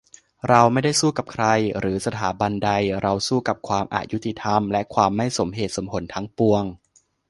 "เราไม่ได้สู้กับใคร หรือสถาบันใด เราสู้กับความอยุติธรรมและความไม่สมเหตุสมผลทั้งปวง"